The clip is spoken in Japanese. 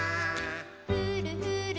「ふるふる」